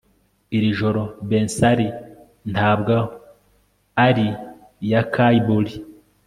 iri joro bensali ntabwo ari iya kai borie